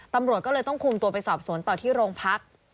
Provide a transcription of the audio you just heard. ตำรวจก็เลยต้องคุมตัวไปสอบสวนต่อที่โรงพัก